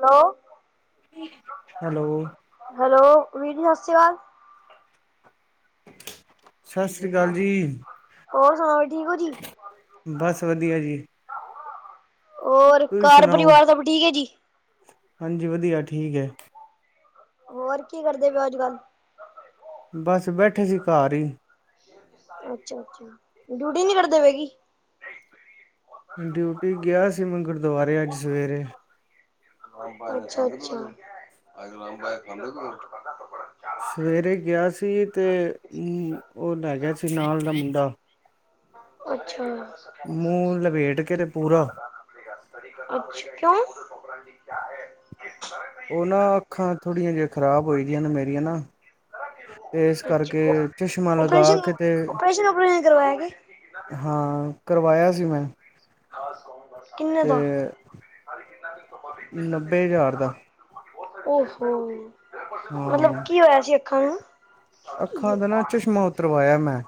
Hello, hello. Hello ਵੀਰ ਜੀ ਸਤਿ ਸ਼੍ਰੀ ਅਕਾਲ। ਸਤਿ ਸ੍ਰੀ ਅਕਾਲ ਜੀ। ਹੋਰ ਸੁਣਾਓ ਵੀ ਠੀਕ ਹੋ ਜੀ। ਬਸ ਵਧੀਆ ਜੀ। ਹੋਰ ਤੁਸੀਂ ਘਰ ਸੁਣਾਓ? ਪਰਿਵਾਰ ਸਭ ਠੀਕ ਹੈ ਜੀ। ਹਾਂਜੀ ਵਧੀਆ ਠੀਕ ਹੈ। ਹੋਰ ਕੀ ਕਰਦੇ ਪਏ ਅੱਜ ਕੱਲ੍ਹ। ਬਸ ਬੈਠੇ ਸੀ ਘਰ ਹੀ ਅੱਛਾ-ਅੱਛਾ, ਡਿਊਟੀ ਨੀ ਕਰਦੇ ਪਏ ਕੀ? ਡਿਊਟੀ ਗਿਆ ਸੀ ''ਮੈਂ ਗੁਰਦੁਆਰੇ ਅੱਜ ਸਵੇਰੇ। ਅੱਛਾ-ਅੱਛਾ। ਬੜਾ ਅੱਛਾ। ਸਵੇਰੇ ਗਿਆ ਸੀ, ਤੇ ਉਹ ਲੈਗਿਆ ਸੀ ਨਾਲ ਦਾ ਮੁੰਡਾ। ਅੱਛਾ। ਮੂੰਹ ਲ੍ਹਵੇੇਟਕੇ ਤੇ ਪੂਰਾ। ਅੱਛਾ, ਕਿਓਂ? ਉਹ ਨਾ, ਅੱਖਾਂ ਥੋੜੀਆਂ ਜਿਹੀ ਖ਼ਰਾਬ ਹੋਈਦੀਆਂ ਨੇ ਮੇਰੀਆਂ ਨਾ। ਤੇ ਇਸ ਕਰਕੇ, ਅੱਛਾ ਚਸ਼ਮਾ ਓਪਰੇਸ਼ਨ ਲਗਾਕੇ ਤੇ ਓਪਰੇਸ਼ਨ ਓਪਰੇਸ਼ਨ ਕਰਵਾਇਆ ਕੇ ਹਾਂ। ਕਰਵਾਇਆ ਸੀ, ਮੈਂ। ਕਿੰਨੇ ਤੇ ਵਾ ਨੱਬੇ ਹਜ਼ਾਰ ਦਾ ਓਹੋ! ਮਤਲਬ ਹਾਂ, ਕੀ ਹੋਇਆ ਸੀ ਅੱਖਾ ਨੂੰ? ਅੱਖਾਂ ਦਾ ਨਾ ਚਸ਼ਮਾ ਉਤਰਵਾਇਆ 'ਮੈਂ'।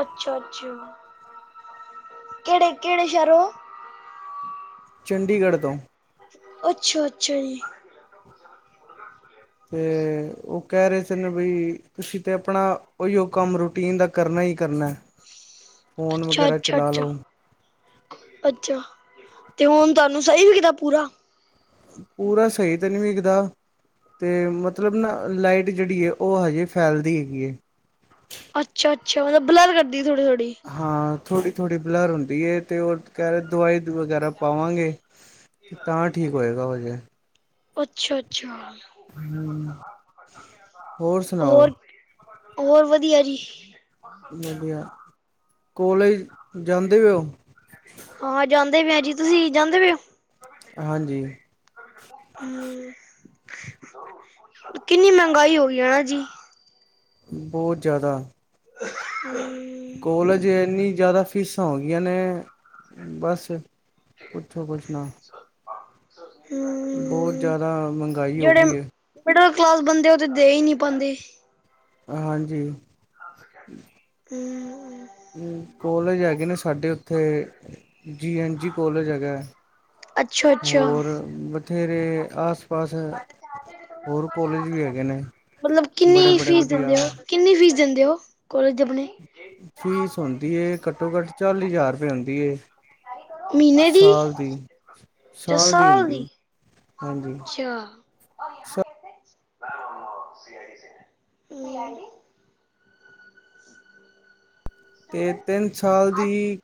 ਅੱਛਾ, ਅੱਛਾ। ਕਿਹੜੇ, ਕਿਹੜੇ ਸ਼ਹਿਰੋ? ਚੰਡੀਗੜ੍ਹ ਤੋਂ। ਅੱਛਾ-ਅੱਛਾ ਜੀ। ਤੇ, ਉਹ ਕਹਿ ਰਹੇ ਸੀ ਨਾ ਬਈ, ਤੁਸੀਂ ਤੇ ਆਪਣਾ ਉਹੀਓ ਕੰਮ ਰੂਟੀਨ ਦਾ ਕਰਨਾ ਹੀ ਕਰਨਾ। ਫੋਨ ਵਗੈਰਾ ਅੱਛਾ-ਅੱਛਾ- ਚਲਾ ਅੱਛਾ। ਲਓ ਅੱਛਾ, ਤੇ ਹੁਣ ਤੁਹਾਨੂੰ ਸਹੀ ਵੀਖਦਾ ਪੂਰਾ? ਪੂਰਾ ਸਹੀ ਤੇ ਨਹੀਂ ਵੀਖਦਾ। ਅਤੇ ਮਤਲਬ ਨਾ, ਲਾਈਟ ਜਿਹੜੀ ਏ, ਉਹ ਹਜੇ ਫੈਲਦੀ ਹੈਗੀ ਏ। ਅੱਛਾ-ਅੱਛਾ, ਮਤਲਬ ਬਲਰ ਕਰਦੀ ਥੋੜੀ- ਥੋੜੀ। ਹਾਂ, ਥੋੜ੍ਹੀ-ਥੋੜ੍ਹੀ ਬਲਰ ਹੁੰਦੀ ਏ, ਤੇ ਉਹ ਕਹਿ ਰਹੇ ਦਵਾਈ ਵਗੈਰਾ ਪਾਵਾਂਗੇ। ਤਾਂ ਠੀਕ ਹੋਇਗਾ, ਓ ਹਜੇ। ਅੱਛਾ ਅੱਛਾ ਹੂੰ, ਹੋਰ ਸੁਣਾਓ? ਹੋਰ ਵਧੀਆ ਜੀ। ਵਧੀਆ, ਕੋਲੇਜ ਜਾਂਦੇ ਓ? ਹਾਂ, ਜਾਂਦੇ ਪਏ ਆ ਜੀ। ਤੁਸੀਂ ਜਾਂਦੇ ਪਏ ਓ? ਹਾਂਜੀ। ਹੂੰ, ਕਿੰਨੀ ਮਹਿੰਗਾਈ ਹੋ ਗਈ ਆ ਹਨਾ ਜੀ? ਬਹੁਤ ਜ਼ਿਆਦਾ। ਹੂੰ। ਕੋਲੇਜ ਇੰਨੀ ਜ਼ਿਆਦਾ ਫੀਸਾਂ ਹੋ ਗਈਆਂ ਨੇ, ਬਸ। ਪੁੱਛੋ, ਕੁੱਛ ਨਾ। ਬਹੁਤ ਹਮ ਜ਼ਿਆਦਾ, ਮਹੰਗਾਈ ਹੋ ਜਿਹੜੇ ਗਈ ਏ। ਮਿਡਲ ਕਲਾਸ ਬੰਦੇ ਉਹ ਤੇ, ਦੇ ਹੀ ਨਹੀਂ ਪਾਂਦੇ। ਹਾਂਜੀ। ਹੂੰ। ਕੋਲੇਜ ਹੈਗੇ ਨੇ ਸਾਡੇ ਉੱਥੇ, ਜੀ ਐਨ ਜੀ ਕੋਲੇਜ ਹੈਗਾ। ਅੱਛਾ-ਅੱਛਾ। ਥੇਰੇ ਆਸ ਪਾਸ ਐ। ਹੋਰ ਕੋਲਜ ਵੀ ਹੇਗੇ ਨੇ, ਮਤਲਬ ਕਿੰਨੀ ਬੜੇ-ਬੜੇ ਫੀਸ ਦਿੰਦੇ ਵਧੀਆ। ਹੋ ਕਿੰਨੀ ਫੀਸ ਦਿੰਦੇ ਓ, ਕੋਲੇਜ ਦੀ ਅਪਣੀ? ਫੀਸ ਹੁੰਦੀ ਏ, ਘੱਟੋ-ਘੱਟ ਚਾਲੀ ਹਜ਼ਾਰ ਰੁਪਏ ਹੁੰਦੀ ਏ। ਸਾਲ ਦੀ, ਸਾਲ ਦੀ ਹੁੰਦੀ। ਹਾਂਜੀ। ਆਪ ਯਹਾਂ ਕੈਸੈ? [unintelligible] ਹੂੰ। ਤੇ ਤਿੰਨ ਸਾਲ ਦੀ,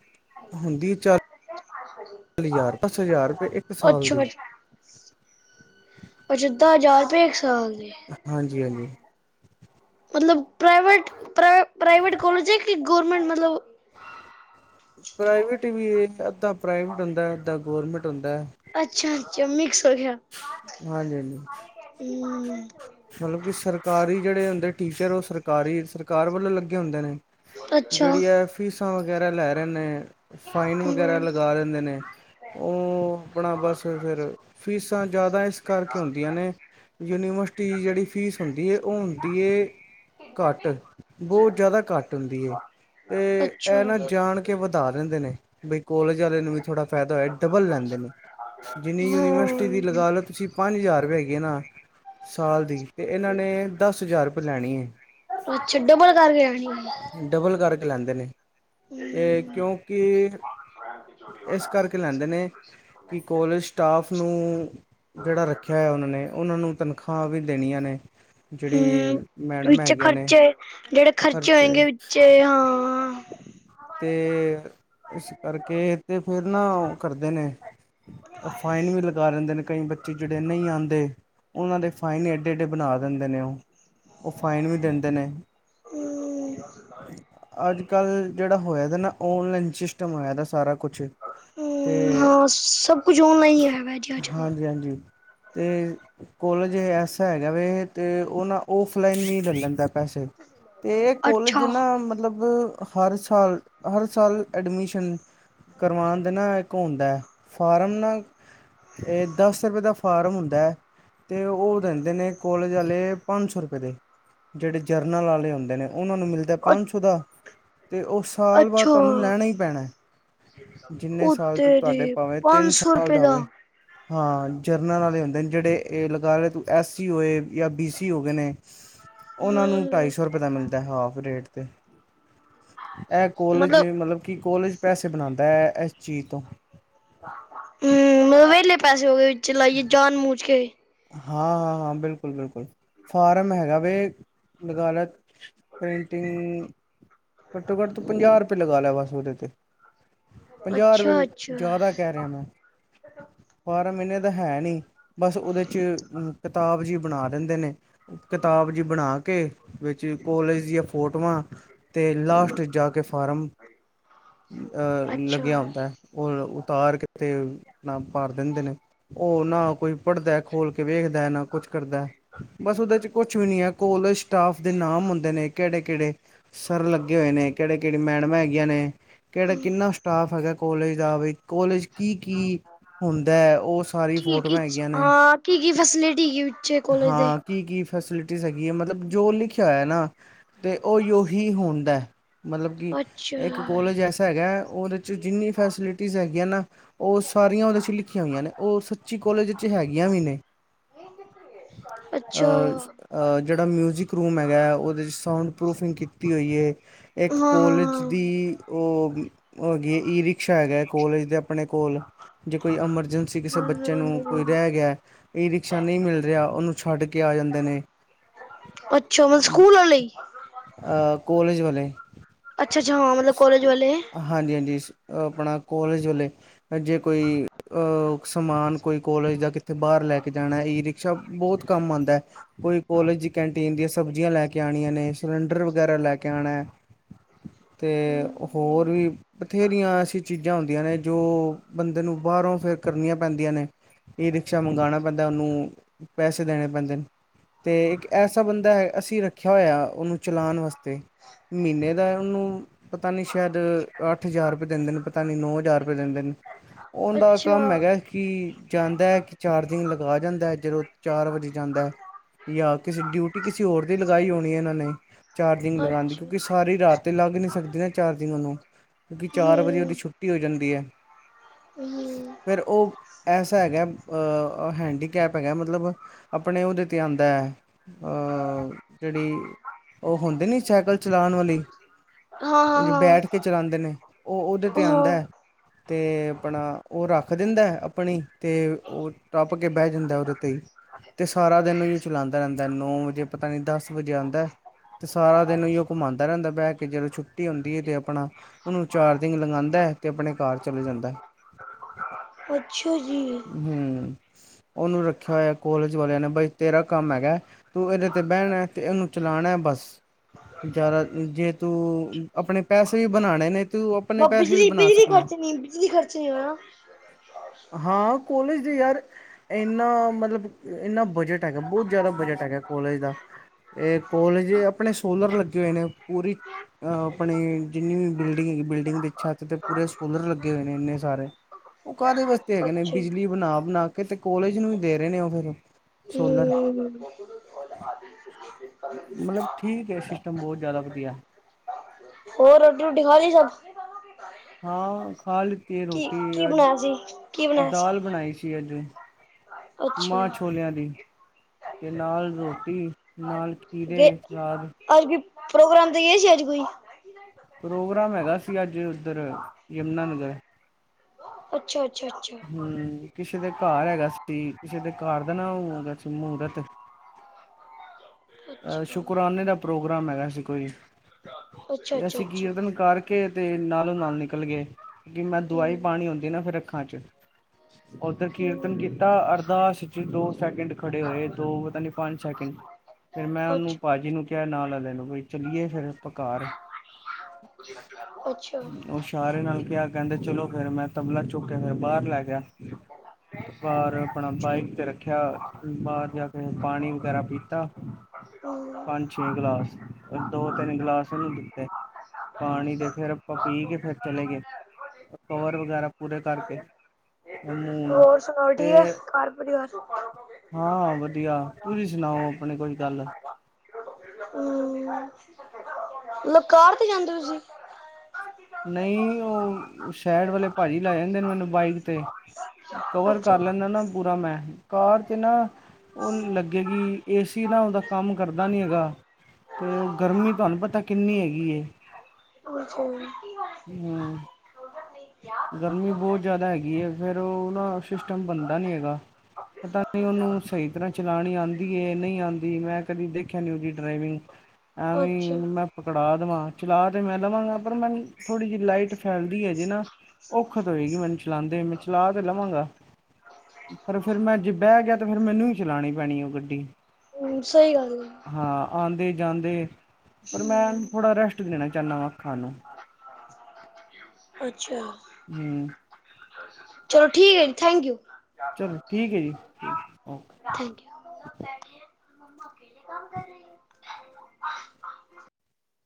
ਹੁੰਦੀ ਏ ਚਾਲ ਲੀ ਹਜ਼ਾਰ, ਦੱਸ-ਹਜ਼ਾਰ ਰੁਪਏ ਇੱਕ ਸਾਲ ਅੱਛਾ ਦੀ। ਪੱਚਾਦਾ ਹਜ਼ਾਰ ਰੁਪਏ, ਇੱਕ ਸਾਲ ਦੀ? ਹਾਂਜੀ-ਹਾਂਜੀ। ਮਤਲਬ ਪ੍ਰਾਈਵੇਟ ਪ੍ਰਾਈਵੇਟ ਕੋਲਜ ਹੈ ਕਿ ਗੌਰਮੈਂਟ ਮਤਲਬ ਪ੍ਰਾਈਵੇਟ ਵੀ ਅੱਧਾ ਪ੍ਰਾਈਵੇਟ ਹੁੰਦਾ ਅੱਧਾ ਗੌਰਮੈਂਟ ਹੁੰਦਾ ਅੱਛਾ ਅੱਛਾ ਮਿਕਸ ਹੋ ਗਿਆ ਹਾਂਜੀ ਹਾਂਜੀ [unintelligible] ਮਤਲਬ ਕਿ ਸਰਕਾਰੀ ਜਿਹੜੇ ਹੁੰਦੇ ਟੀਚਰ ਉਹ ਸਰਕਾਰੀ ਸਰਕਾਰ ਵੱਲੋਂ ਲੱਗੇ ਹੁੰਦੇ ਨੇ ਅੱਛਾ ਜਿਹੜੀ ਹੈ ਫੀਸਾਂ ਵਗੈਰਾ ਲੈ ਰਹੇ ਨੇ ਫਾਈਨ ਵਗੈਰਾ ਹਮ ਲਗਾ ਲਿੰਦੇ ਨੇ ਉਹ ਆਪਣਾ ਬਸ ਫਿਰ ਫੀਸਾਂ ਜ਼ਿਆਦਾ ਇਸ ਕਰਕੇ ਹੁੰਦੀਆਂ ਨੇ ਯੂਨੀਵਰਸਿ ਜਿਹੜੀ ਫੀਸ ਹੁੰਦੀ ਹੈ ਉਹ ਹੁੰਦੀ ਹੈ। ਘੱਟ ਬਹੁਤ ਜ਼ਿਆਦਾ ਘੱਟ ਹੁੰਦੀ ਹੈ ਤੇ ਅੱਛਾ ਇਹ ਨਾ ਜਾ ਹਾਂ ਜਾਣ ਕੇ ਵਧਾ ਦਿੰਦੇ ਨੇ ਬਈ ਕੋਲਜ ਵਾਲੇ ਨੂੰ ਵੀ ਥੋੜਾ ਫ਼ਾਇਦਾ ਹੋਇਆ ਡਬਲ ਲੈਂਦੇ ਨੇ ਜਿੰਨੀ ਯੂਨੀਵਰਸਿਟੀ ਦੀ ਲਗਾ ਲਓ ਤੁਸੀਂ ਪੰਜ ਹਜ਼ਾਰੁਪਏ ਹੈਗੇ ਨਾ ਸਾਲ ਦੀ ਇਹਨਾਂ ਨੇ ਦਸ ਹਜ਼ਾਰ ਰੁਪਏ ਲੈਣੀ ਹੈ। [unintelligible] ਡਬਲ ਕਰਕੇ ਲੈਂਦੇ ਨੇ ਤੇ ਕਿਉਂਕਿ ਚੋਰੀ ਹੋ ਇਸ ਨਾ ਕਰਕੇ ਇਸ ਲੈਂਦੇ ਨੇ ਕਰਕੇ ਲੈਂਦੇ ਕਿ ਨੇ ਕੋਲਜ ਸਟਾਫ ਨੂੰ ਜਿਹੜਾ ਰੱਖਿਆ ਹੈ ਉਹਨਾਂ ਨੇ ਉਹਨਾਂ ਨੂੰ ਤਨਖਾਹ ਵੀ ਦੇਣੀਆਂ ਨੇ ਹਮ ਜਿਹੜੀ ਮੈਡਮ ਵਿੱਚ ਹੈਗੀਆਂ ਨੇ ਖਰਚੇ ਜਿਹੜੇ ਖਰਚੇ ਹੋਏਗੇ ਵਿੱਚ ਹਾਂ ਤੇ ਇਸ ਕਰਕੇ ਤੇ ਫਿਰ ਨਾ ਉਹ ਕਰਦੇ ਨੇ ਫਾਈਨ ਵੀ ਲਗਾ ਲੈਂਦੇ ਨੇ ਕਈ ਬੱਚੇ ਜਿਹੜੇ ਨਹੀਂ ਆਉਂਦੇ ਉਹਨਾਂ ਦੇ ਫਾਈਨ ਏਡੇ ਏਡੇ ਬਣਾ ਦਿੰਦੇ ਨੇ ਉਹ ਉਹ ਫਾਈਨ ਵੀ ਦਿੰਦੇ ਨੇ ਅੱਜ ਕੱਲ ਜਿਹੜਾ ਹੋਇਆ ਨਾ ਔਨਲਾਈਨ ਸਿਸਟਮ ਹੋਇਆ ਸਾਰਾ ਕੁਛ ਹੂ ਤੇ ਹਾਂ ਸਭ ਕੁਝ ਨਾ ਹੀ ਹੈਗਾ ਜੀ ਅੱਜ ਹਾਂਜੀ ਹਾਂਜੀ ਤੇ ਕੋਲਜ ਐਸਾ ਹੈਗਾ ਵੀ ਤੇ ਉਹ ਨਾ ਓਫਲਾਈਨ ਵੀ ਲੈਂਦਾ ਪੈਸੇ ਤੇ ਇਹ ਕੋਲਜ ਜਿੰਨਾ ਮਤਲਬ ਹਰ ਸਾਲ ਹਰ ਸਾਲ ਐਡਮਿਸ਼ਨ ਕਰਵਉਣ ਦੇ ਨਾਲ ਇੱਕ ਹੁੰਦਾ ਫਾਰਮ ਨਾਲ ਇਹ ਦਸ ਰੁਪਏ ਦਾ ਫਾਰਮ ਹੁੰਦਾ ਹੈ। ਤੇ ਉਹ ਰਹਿੰਦੇ ਨੇ ਕੋਲਜ ਵਾਲੇ ਪੰਜ ਸੌ ਰਪਏ ਦੇ ਜਿਹੜੇ ਜਰਨਲ ਵਾਲੇ ਹੁੰਦੇ ਨੇ ਉਹਨਾਂ ਨੂੰ ਮਿਲਦਾ ਪੰਜ ਸੌ ਦਾ ਤੇ ਉਹ ਸਾਲ ਬਾਅਦ ਅੱਛਾ ਤੁਹਾਨੂੰ ਲੈਣਾ ਹੀ ਪੈਣਾ ਜਿੰਨੇ ਉਹ ਸਾਲ ਤੋਂ ਤੁਹਾਡੇ ਤੇਰੇ ਭਾਵੇਂ ਪੰਜ ਤਿੰਨ ਸੌ ਸਾਲ ਰੁਪਏ ਦਾ ਹੋਵੇ ਹਾਂ ਜਰਨਲ ਵਾਲੇ ਹੁੰਦੇ ਨੇ ਜਿਹੜੇ ਇਹ ਲਗਾ ਲਾ ਤੂੰ ਐਸ ਸੀ ਹੋ ਜਾਂ ਬੀ ਸੀ ਹੋਗੇ ਨੇ ਉਹਨਾਂ ਨੂੰ ਹਮ ਢਾਈ ਸੌ ਰੁਪਏ ਦਾ ਮਿਲਦਾ ਹਾਫ ਰੇਟ ਤੇ ਇਹ ਕੋਲਜ ਮਤਲਬ ਕਿ ਕੋਲੇਜ ਪੈਸੇ ਬਣਾਉਂਦਾ ਹੈ ਇਸ ਚੀਜ਼ ਤੋਂ ਹੂ ਮੂਵੀ ਲਈ ਪੈਸੇ ਚਲਾਈਏ ਜਾਨ ਮੂਜ ਕੇ ਹਾਂ ਹਾਂ ਹਾਂ ਬਿਲਕੁਲ ਬਿਲਕੁਲ ਫਾਰਮ ਹੈਗਾ ਵੇ ਲਗਾ ਲਿਆ ਪ੍ਰੇਂਟਿੰਗ ਘੱਟੋ ਘੱਟ ਤੂੰ ਪੰਜਾਹ ਰੁਪਏ ਲਗਾ ਲਿਆ ਬਸ ਉਹਦੇ ਤੇ ਪੰਜਾਹ ਅੱਛਾ ਰੁਪਏ ਅੱਛਾ ਜ਼ਿਆਦਾ ਕਹਿ ਰਿਹਾ ਮੈਂ ਫਾਰਮ ਇਹਨੇ ਦਾ ਹੈ ਨਹੀਂ ਬਸ ਉਹਦੇ ਚ ਵਿੱਚ ਕਿਤਾਬ ਜੀ ਬਣਾ ਦਿੰਦੇ ਨੇ ਕਿਤਾਬ ਜੀ ਬਣਾ ਕੇ ਵਿੱਚ ਕੋਲਜ ਦੀਆਂ ਫੋਟੋਆਂ ਤੇ ਲਾਸਟ 'ਚ ਜਾ ਕੇ ਫਾਰਮ ਅੱਛਾ ਲੱਗਿਆ ਹੁੰਂਦਾ ਉਹ ਉਤਾਰ ਕੇ ਤੇ ਨਾ ਭਾਰ ਦਿੰਦੇ ਨੇ ਉਹ ਨਾ ਕੋਈ ਪੜ੍ਹਦਾ ਖੋਲ ਕੇ ਵੇਖਦਾ ਨਾ ਕੁੱਛ ਕਰਦਾ ਬਸ ਉਹਦੇ ਚ ਕੁਛ ਵੀ ਨੀ ਆ, ਕੋਲੇਜ ਸਟਾਫ ਦੇ ਨਾਮ ਹੁੰਦੇ ਨੇ ਕਿਹੜੇ-ਕਿਹੜੇ ਸਰ ਲੱਗੇ ਹੋਏ ਨੇ, ਕਿਹੜੇ ਕਿਹੜੀ ਮੈਡਮਾਂ ਹੈਗੀਆਂ ਨੇ, ਕਿਹੜਾ ਕਿੰਨਾ ਸਟਾਫ ਹੈਗਾ ਕੋਲਜ ਦਾ ਬਈ। ਕੋਲੇਜ ਕੀ-ਕੀ ਹੁੰਦਾ, ਉਹ ਸਾਰੀ ਫੋਟੋਆਂ ਹੈਗੀਆਂ ਨੇ। ਕੀ-ਕੀ ਫੈਸਿਲਿਟੀ ਯੂਜ ਹਾਂ, ਕੀ-ਕੀ ਫੈਸੀਲਿਟੀਜ਼ ਹੈਗੀ ਆ, ਮਤਲਬ ਜੋ ਲਿਖਿਆ ਹੋਇਆ ਨਾ ਤੇ ਓਹੀ-ਓਹੀ ਹੁੰਦਾ, ਮਤਲਬ ਕਿ ਇੱਕ ਅੱਛਾ ਕੋਲਜ ਐਸਾ ਹੈਗਾ ਉਹਦੇ ਜਿੰਨੀ ਫੈਸੀਲਿਟੀਜ਼ ਹੈਗੀਆਂ ਨਾ, ਉਹ ਸਾਰੀਆਂ ਉਹਦੇ ਚ ਲਿਖੀਆਂ ਹੋਈਆਂ ਨੇ, ਉਹ ਸੱਚੀ ਕੋਲਜ ਵਿਚ ਹੈਗੀ ਹੈਗੀਆਂ ਵੀ ਨੇ, ਅੱਛਾ ਅਹ ਅ ਜਿਹੜਾ ਮਿਊਜਿਕ ਰੂਮ ਹੈਗਾ, ਉਹਦੇ ਚ ਸਾਊਂਡ ਪਰੂਫਿੰਗ ਕੀਤੀ ਹੋਈ ਏ। ਇੱਕ ਹਾਂ ਕੋਲੇਜ ਹਾਂ ਦੀ ਉਹ ਹੈਗੀ ਈ ਰਿਕਸ਼ਾ ਹੈਗਾ ਐ, ਕੋਲਜ ਦੇ ਆਪਣੇ ਕੋਲ। ਜੇ ਕੋਈ ਐਮਰਜੈਂਸੀ ਕਿਸੇ ਹਾਂ ਬੱਚੇ ਨੂੰ ਕੋਈ ਹਮ, ਰਹਿ ਗਿਆ ਈ ਰਿਕਸ਼ਾ ਨਹੀਂ ਮਿਲ ਰਿਹਾ, ਉਹਨੂੰ ਛੱਡ ਕੇ ਆ ਜਾਂਦੇ ਨੇ। ਅੱਛਾ [unintelligible] ਅ ਕੋਲੇਜ ਵਾਲੇ ਅੱਛਾ-ਅੱਛਾ, ਹਾਂ ਮਤਲਬ ਕੋਲਜ ਵਾਲੇ ਹਾਂਜੀ-ਹਾਂਜੀ, ਆਪਣਾ ਕੋਲੇਜ ਵਾਲੇ ਜੇ ਕੋਈ ਅਹ ਸਮਾਨ ਕੋਈ ਕੋਲੇਜ ਦਾ ਕਿਥੇ ਬਾਹਰ ਲੈ ਕੇ ਜਾਣਾ, ਈ ਰਿਕ ਸ਼ਾ ਬਹੁਤ ਕੰਮ ਆਂਦਾ, ਕੋਈ ਕੋਲਜ ਦੀ ਕੈਂਟੀਨ ਦੀਆਂ ਸਬਜ਼ੀਆਂ ਲੈ ਕੇ ਆਨੀਆਂ ਨੇ। ਸਿਲੰਡਰ ਵਗੈਰਾ ਲੈ ਕੇ ਆਣਾ। ਤੇ ਹੋਰ ਹੂੰ, ਵੀ ਬਥੇਰੀਆਂ ਐਸੀ ਚੀਜ਼ਾਂ ਹੁੰਦੀਆਂ ਨੇ, ਜੋ ਬੰਦੇ ਨੂੰ ਬਾਹਰੋਂ ਫੇਰ ਕਰਨੀਆਂ ਪੈਂਦੀਆਂ ਨੇ, ਈ ਰਿਕਸ਼ਾ ਮੰਗਾਣਾ ਪੈਂਦਾ ਉਹਨੂੰ। ਪੈਸੇ ਦੇਣੇ ਪੈਂਦੇ ਨੇ, ਤੇ ਇੱਕ ਐਸਾ ਬੰਦਾ ਐ, ਅਸੀਂ ਰੱਖਿਆ ਹੋਇਆ ਉਹਨੂੰ। ਚਲਾਣ ਵਾਸਤੇ, ਮਹੀਨੇ ਦਾ ਉਹਨੂੰ ਪਤਾ ਨੀ ਸ਼ਾਇਦ ਅੱਠ ਹਜ਼ਾਰ ਰੁਪਏ ਦਿੰਦੇ ਨੇ, ਪਤਾ ਨੀ ਨੌ ਹਜ਼ਾਰ ਰੁਪਏ ਦਿੰਦੇ ਨੇ। ਉਹ ਦਾ ਕੰਮ ਅੱਛਾ, ਹੈਗਾ, ਕਿ ਜਾਂਦਾ ਐ ਕਿ ਚਾਰਜਿੰਗ ਲਗਾ ਜਾਂਦਾ ਐ, ਜਦੋਂ ਚਾਰ ਵਜੇ ਜਾਂਦਾ, ਜਾਂ ਕਿਸੇ ਡਿਊਟੀ ਕਿਸੇ ਹੋਰ ਦੀ ਲਗਾਈ ਹੋਣੀ ਏ ਇਹਨਾਂ ਨੇ। ਚਾਰਜਿੰਗ ਲਗਾਣ ਦੀ, ਅੱਛਾ, ਕਿਉਂਕਿ ਸਾਰੀ ਰਾਤ ਤੇ ਲੱਗ ਨੀ ਸਕਦੀ ਨਾ ਚਾਰਜਿੰਗ ਉਹਨੂੰ। ਕਿਉਂਕਿ ਚਾਰ ਵਜੇ ਉਹਦੀ ਛੁੱਟੀ ਹੋ ਜਾਂਦੀ ਐ। ਹੂੰ-ਹੂੰ। ਫਿਰ ਉਹ ਐਸਾ ਹੈਗਾ, ਅਹ ਹੈਂਡੀਕੈਪ ਹੈਗਾ ਮਤਲਬ। ਆਪਣੇ ਉਹਦੇ ਤੇ ਆਂਦਾ, ਅ ਜਿਹੜੀ ਉਹ ਹੁੰਦੀ ਨੀ ਸਾਈਕਲ ਚਲਾਣ ਵਾਲੀ। ਜਿਹੜੀ ਹਾਂ-ਹਾਂ, ਹਾਂ, ਬੈਠ ਕੇ ਚਲਾਂਦੇ ਨੇ, ਉਹ ਉਹਦੇ ਤੇ ਆਂਦਾ ਹਾਂ। ਹਾਂ, ਐ। ਤੇ ਆਪਣਾ ਉਹ ਰੱਖ ਦਿੰਦਾ, ਆਪ ਆਪਣੀ ਤੇ ਉਹ ਟੱਪ ਕੇ ਬਹਿ ਜਾਂਦਾ ਉਹਦੇ ਤੇ ਹੀ, ਤੇ ਸਾਰਾ ਦਿਨ ਚਲਾਂਦਾ ਰਹਿੰਦਾ ਇਹਨੂੰ। ਨੌ ਵਜੇ, ਪਤਾ ਨੀ ਦਸ ਵਜੇ ਆਂਦਾ। ਤੇ ਸਾਰਾ ਦਿਨ ਓਈਓ ਘੁੰਮਾਂਦਾ ਰਹਿੰਦਾ ਬਹਿ ਕੇ, ਜਦੋਂ ਛੁੱਟੀ ਹੁੰਦੀ ਐ ਤੇ ਆਪਣਾ। ਉਹਨੂੰ ਚਰਜਿੰਗ ਲਗਾਂਦਾ, ਤੇ ਆਪਣੇ ਘਰ ਚਲੇ ਜਾਂਦਾ। ਅੱਛਾ ਜੀ। ਹੂੰ, ਉਹਨੂੰ ਰੱਖਿਆ ਹੋਇਆ ਕੋਲੇਜ ਵਾਲਿਆਂ ਨੇ ਬਾਈ ਤੇਰਾ ਕੰਮ ਹੈਗਾ। ਤੂੰ ਇਹਦੇ ਤੇ ਬਹਿਣਾ ਤੇ ਇਹਨੂੰ ਚਲਾਣਾ। ਬਸ, ਜ਼ਾਦਾ ਜੇ ਤੂੰ ਅਪਣੇ ਪੈਸੇ ਵੀ ਬਣਾਣੇ ਨੇ ਤੂੰ ਆਪਣੇ ਪੈਸੇ ਵੀ ਬਣਾ ਬਿਜਲੀ-ਬਿਜਲੀ ਸਕਣਾ ਖਰਚਣੀ, ਬਿਜਲੀ ਖਰਚਣੀ ਵਾ ਹਾਂ, ਕੋਲੇਜ ਦੀ ਯਾਰ ਏਨਾ ਮਤਲਬ ਏਨਾ ਬਜਟ ਹੈਗਾ, ਬਹੁਤ ਜ਼ਿਆਦਾ ਬਜਟ ਹੈਗਾ ਕੋਲਜ ਦਾ। ਤੇ ਕੋਲੇਜ ਆਪਣੇ ਸੋਲਰ ਲੱਗੇ ਹੋਏ ਨੇ, ਪੂਰੀ ਅ ਆਪਣੇ ਜਿੰਨੀ ਵੀ ਬਿਲਡਿੰਗ ਹੇਗੀ, ਬਿਲਡਿੰਗ ਦੀ ਛੱਤ ਤੇ ਪੂਰੇ ਸੋਲਰ ਲੱਗੇ ਹੋਏ ਨੇ ਇੰਨੇ ਸਾਰੇ। ਉਹ ਕਾਹਦੇ ਵਾਸਤੇ ਹੈਗੇ ਨੇ, ਅੱਛਾ ਜੀ, ਬਿਜਲੀ ਬਣਾ-ਬਣਾ ਕੇ ਤੇ ਕੋਲੇਜ ਨੂੰ ਵੀ ਦੇ ਰਹੇ ਨੇ ਉਹ ਫੇਰ ਸੋਲਰ। [unintelligible] [unintelligible] ਮਤਲਬ ਠੀਕ ਹੈ ਸਿਸਟਮ ਬਹੁਤ ਜ਼ਿਆਦਾ ਵਧੀਆ ਹੋਰ ਰੋਟੀ ਰੂਟੀ ਖਾ ਲਈ ਸਭ ਹਾਂ ਖਾ ਲੀਤੀ ਹੈ ਰੋਟੀ ਕੀ-ਕੀ ਬਣਾਇਆ ਸੀ, ਕੀ ਅ ਬਣਾਇਆ ਦਾਲ ਸੀ? ਬਣਾਈ ਸੀ ਅੱਜ ਅੱਛਾ, ਮਾਂ ਛੋਲਿਆਂ ਦੀ ਤੇ ਨਾਲ ਰੋਟੀ ਨਾਲ ਜੇ ਖੀਰੇ ਸਲਾਦ ਅੱਜ ਕੋਈ ਪ੍ਰੋਗਰਾਮ ਤੇ ਗਏ ਸੀ ਅੱਜ ਕੋਈ ਪ੍ਰੋਗਰਾਮ ਹੈਗਾ ਸੀ ਅੱਜ ਉੱਧਰ ਯਮੁਨਾਨਗਰ ਅੱਛਾ-ਅੱਛਾ-ਅੱਛਾ ਹਮ ਕਿਸੇ ਦੇ ਘਰ ਹੈਗਾ ਸੀ ਕਿਸੇ ਦੇ ਘਰ ਦਾ ਨਾ ਹੋਗਾ ਸੀ ਮਹੂਰਤ ਅੱਛਾ। ਸ਼ੁਕਰਾਨੇ ਦਾ ਪ੍ਰੋਗਰਾਮ ਹੈਗਾ ਸੀ ਕੋਈ ਅੱਛਾ-ਅੱਛਾ, ਅੱਛਾ, ਤੇ ਅੱਛਾ ਅਸੀਂ ਅੱਛਾ, ਕੀਰਤਨ ਕਰ ਕੇ ਤੇ ਨਾਲੋਂ ਨਾਲ ਨਿਕਲ ਗਏ ਕਿ ਮੈਂ ਦਵਾਈ ਹੂੰ, ਪਾਨੀ ਹੁੰਦੀ ਹੈ ਨਾ ਫਿਰ ਅੱਖਾਂ ਚ ਓਧਰ ਕੀਰਤਨ ਹੂੰ, ਕੀਤਾ ਅਰਦਾਸ ਚ ਦੋ ਸੈਕਿੰਡ ਖੜੇ ਹੋਏ ਦੋ ਪਤਾ ਨਹੀਂ ਪੰਜ ਸੈਕਿੰਡ ਫਿਰ ਮੈਂ ਉਹਨੂੰ ਅੱਛਾ, ਭਾਜੀ ਨੂੰ ਕਿਹਾ ਨਾਲ ਆਲੇ ਨੂੰ ਬਈ ਚੱਲੀਏ ਫਿਰ ਅਪਾ ਕਾਰ ਅੱਛਾ ਉਸ਼ਾਰੇ ਨਾਲ ਕਿਹਾ ਕਹਿੰਦੇ ਚਲੋ ਫੇਰ ਮੈਂ ਤਬਲਾ ਚੁੱਕ ਕੇ ਮੈ ਬਾਹਰ ਲੈ ਗਿਆ ਤੇ ਬਾਹਰ ਆਪਣਾ ਬਾਈਕ ਤੇ ਰੱਖ ਖਿਆ ਬਾਹਰ ਜਾ ਕੇ ਪਾਣੀ ਵਗੈਰਾ ਪੀਤਾ [unintelligible] ਪੰਜ ਛੇ ਗਿਲਾਸ ਦੋ ਤਿੰਨ ਗਿਲਾਸ ਉਹਨੂੰ ਦਿੱਤੇ ਪਾਣੀ ਦੇ ਫੇਰ ਆਪਾਂ ਪੀ ਕੇ ਫਿਰ ਚਲੇ ਗਏ ਕਵਰ ਵਗੈਰਾ ਪੂਰੇ ਕਰਕੇ ਮੂੰਹ ਨੂੰ ਹੋਰ ਸੁਣਾਓ ਤੇ ਠੀਕ ਆ ਘਰ ਪਰਿਵਾਰ ਹਾਂ ਵਧੀਆ ਤੁਸੀਂ ਸੁਣਾਓ ਆਪਣੇ ਕੋਈ ਗੱਲ ਹਮ ਲ ਕਾਰ ਤੇ ਜਾਂਦੇ ਹੋ ਤੁਸੀਂ ਨਹੀਂ ਉਹ ਸ਼ਹਿਰ ਵਾਲੇ ਭਾਜੀ ਲੈ ਜਾਂਦੇ ਨੇ ਮੈਨੂੰ ਬਾਈਕ ਤੇ ਅੱਛਾ ਕਵਰ ਕਰ ਅੱਛਾ ਲੈਂਦਾ ਨਾ ਪੂਰਾ ਮੈਂ ਕਾਰ ਤੇ ਨਾ ਉਹ ਲੱਗੇਗੀ ਏ ਸੀ ਨਾ ਉਹਦਾ ਕੰਮ ਕਰਦਾ ਨੀ ਹੈਗਾ ਤੇ ਉਹ ਗਰਮੀ ਤੁਹਾਨੂੰ ਪਤਾ ਕਿੰਨੀ ਹੈਗੀ ਹੈ [unintelligible] ਹਮ [inaudible] ਗਰਮੀ ਬਹੁਤ ਜ਼ਿਆਦਾ ਹੈਗੀ ਹੈ ਫੇਰ ਓ ਸਿਸਟਮ ਬਣਦਾ ਨੀ ਹੈਗਾ ਪਤਾ ਨਹੀਂ ਉਹਨੂੰ ਸਹੀ ਤਰ੍ਹਾਂ ਚਲਾਣੀ ਆਨ ਨਹੀਂ ਆਂਦੀ ਮੈਂ ਕਦੀ ਦੇਖਿਆ ਨੀ ਉਹਦੀ ਡਰਾਵਿੰਗ ਐਵੇਂ ਅੱਛਾ ਉਹਨੂੰ ਮੈਂ ਪਕੜਾ ਦੇਵਾਂ ਚਲਾ ਤਾਂ ਮੈਂ ਦਵਾਂਗਾ ਪਰ ਮੈਨੂੰ ਥੋੜ੍ਹੀ ਜਿਹੀ ਲਾਈਟ ਫੈਲਦੀ ਹੈ ਜੀ ਨਾ [unintelligible] [inaudible] ਚਲਾਉਦੇ ਮੈਂ ਚਲਾ ਤੇ ਲਵਾਂਗਾ ਪਰ ਫੇਰ ਮੈਂ ਜੇ ਬਹਿ ਗਿਆ ਤੇ ਫੇਰ ਮੈਨੂੰ ਚਲਾਉਣੀ ਪੈਣੀ ਉਹ ਗੱਡੀ ਹਮ ਸਹੀ ਗੱਲ ਆ ਹਾਂ ਆਉਂਦੇ ਜਾਂਦੇ ਪਰ ਮੈਂ ਹਮ ਥੋੜ੍ਹਾ ਰੈਸਟ ਦੇਣਾ ਚਾਹੁੰਦਾ ਵਾਂ ਅੱਖਾਂ ਨੂੰ ਅੱਛਾ ਹਮ ਚਲੋ ਠੀਕ ਹੈ ਜੀ ਥੈਂਕ ਯੂ ਚਲੋ ਠੀਕ ਹੈ ਜੀ ਬੈਠੇ ਮੰਮਾ ਅਕੇਲੇ ਕੰਮ ਕਰ ਰਹੀ ਹੈ।